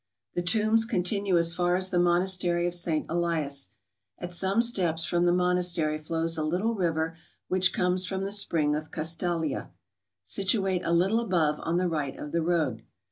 The tombs continue as far as the monastery of St. Elias. At some steps from the monastery flows a little river which comes from the spring of Castalia, situate a little above, on the right of the road.